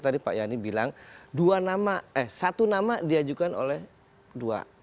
tadi pak yani bilang satu nama diajukan oleh dua